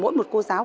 mỗi một cô giáo